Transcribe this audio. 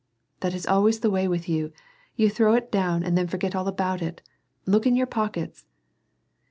" That is always the way with you. You throw it down and then forget all about it. Look in your pockets."